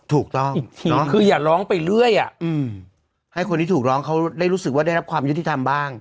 ถูกต้องคืออย่าร้องไปเรื่อยให้คนที่ถูกร้องเขาได้รู้สึกว่าได้รับความยุติธรรมบ้าง